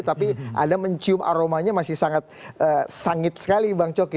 tapi anda mencium aromanya masih sangat sangit sekali bang coki